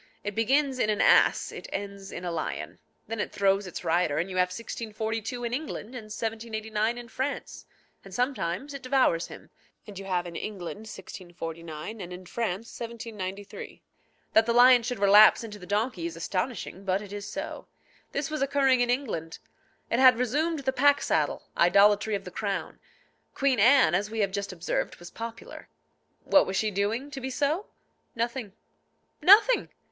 It begins in an ass; it ends in a lion. Then it throws its rider, and you have 1642 in England and 1789 in France; and sometimes it devours him, and you have in England 1649, and in France 1793. That the lion should relapse into the donkey is astonishing; but it is so. This was occurring in England. It had resumed the pack saddle, idolatry of the crown. Queen Anne, as we have just observed, was popular. What was she doing to be so? Nothing. Nothing!